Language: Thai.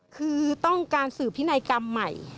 คือต้องการสื่อพินัยกรรมใหม่